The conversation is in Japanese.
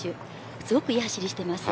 すごくいい走りをしています。